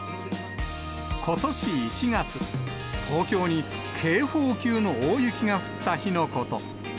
ことし１月、東京に警報級の大雪が降った日のこと。